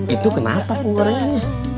itu kenapa penggorengannya